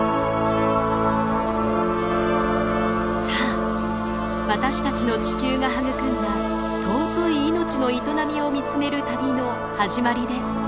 さあ私たちの地球が育んだ尊い命の営みを見つめる旅の始まりです！